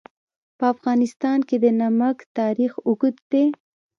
په افغانستان کې د نمک تاریخ اوږد دی.